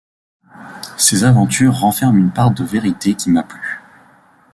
Ces aventures renferment une part de vérité qui m'a plu.